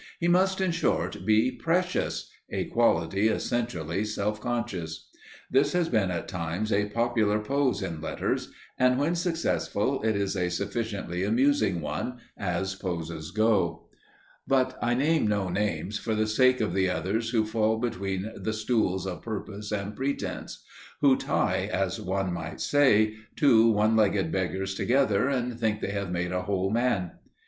He must in short, be "precious," a quality essentially self conscious. This has been at times a popular pose in Letters, and when successful it is a sufficiently amusing one, as poses go; but I name no names for the sake of the others who fall between the stools of purpose and pretence who tie, as one might say, two one legged beggars together and think they have made a whole man.